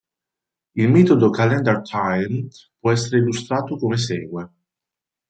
Il metodo "calendar time" può essere illustrato come segue.